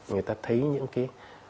người ta thấy những cái